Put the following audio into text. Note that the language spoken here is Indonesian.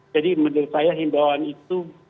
jadi menurut saya himbauan itu